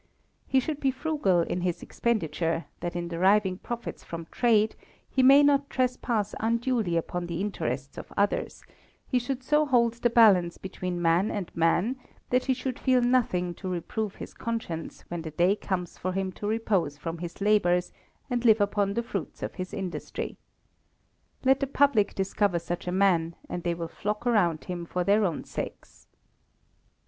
He should be frugal in his expenditure, that in deriving profits from trade, he may not trespass unduly upon the interest of others; he should so hold the balance between man and man that he should feel nothing to reprove his conscience when the day comes for him to repose from his labours and live upon the fruits of his industry. Let the public discover such a man, and they will flock around him for their own sakes.